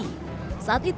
saat itu ia menangis